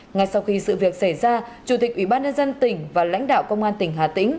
ngay sau khi sự việc xảy ra chủ tịch ubnd tỉnh và lãnh đạo công an tỉnh hà tĩnh